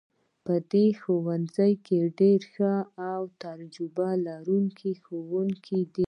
په دې ښوونځي کې ډیر ښه او تجربه لرونکي ښوونکي دي